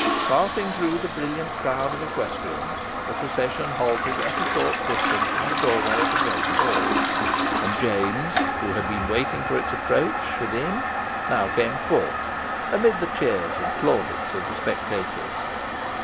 Passing through the brilliant crowd of equestrians, the procession halted at a short distance from the doorway of the great hall, and James, who had been waiting for its approach within, now came forth, amid the cheers and plaudits of the spectators.